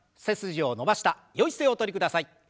背筋を伸ばしたよい姿勢おとりください。